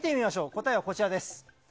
答えはこちらです。